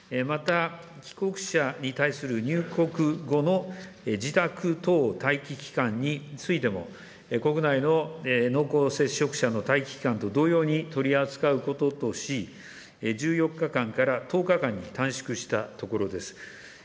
また帰国者に対する入国後の自宅等待機期間についても、国内の濃厚接触者の待機期間と同様に取り扱うこととし、１４日間から１０日間に短縮したところです。